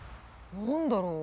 何だろう？